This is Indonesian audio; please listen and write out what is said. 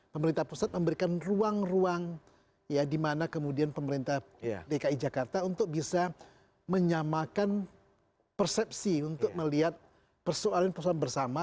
pemerintah pusat memberikan ruang ruang ya di mana kemudian pemerintah dki jakarta untuk bisa menyamakan persepsi untuk melihat persoalan persoalan bersama